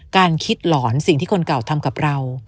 การคิดหลอนสิ่งที่คนเก่าทำกับเรา